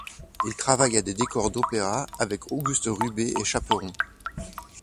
Il travaille à des décors d'opéra avec Auguste Rubé et Chaperon.